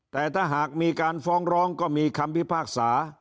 แต่ถ้าหากมีการฟ้องร้องก็มีคำพิพากษา